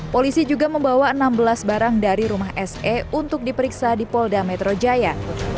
polisi juga membawa enam belas barang dari rumah se untuk diperiksa di polda metro jaya